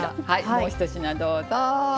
もう１品どうぞ。